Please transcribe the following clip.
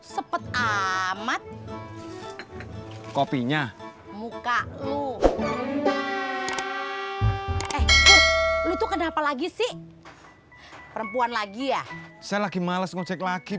sepet amat kopinya muka lu eh lu tuh kenapa lagi sih perempuan lagi ya saya lagi males ngecek lagi